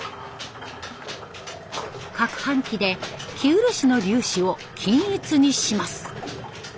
かくはん機で生漆の粒子を均一にします。